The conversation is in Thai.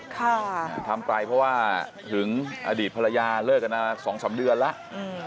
ค่ะทำไปเพราะว่าถึงอดีตภรรยาเลิกอันดับสองสามเดือนแล้วอืม